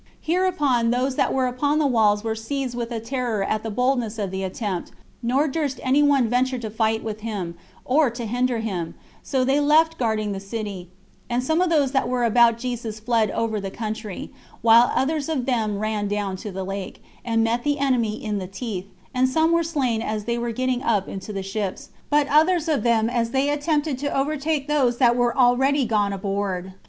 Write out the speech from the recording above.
Hereupon those that were upon the walls were seized with a terror at the boldness of the attempt, nor durst any one venture to fight with him, or to hinder him; so they left guarding the city, and some of those that were about Jesus fled over the country, while others of them ran down to the lake, and met the enemy in the teeth, and some were slain as they were getting up into the ships, but others of them as they attempted to overtake those that were already gone aboard.